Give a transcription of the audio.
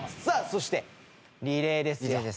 さあそしてリレーですよ。